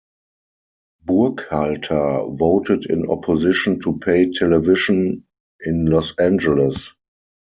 Burkhalter voted in opposition to pay television in Los Angeles.